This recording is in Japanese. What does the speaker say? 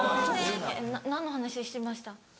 な何の話してました？